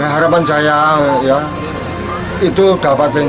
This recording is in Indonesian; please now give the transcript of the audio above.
harapan saya ya itu dapatnya